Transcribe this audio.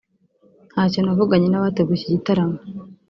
ntacyo navuganye nabateguye iki gitaramo